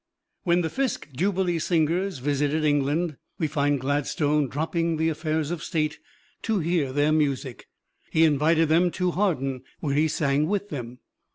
When the Fisk Jubilee Singers visited England, we find Gladstone dropping the affairs of State to hear their music. He invited them to Hawarden, where he sang with them.